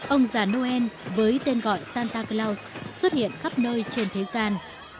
ông già noel với tên gọi santa clouse xuất hiện khắp nơi trên thế gian